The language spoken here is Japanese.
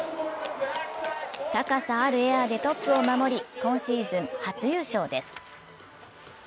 高さあるエアーでトップを守り今シーズン初優勝です。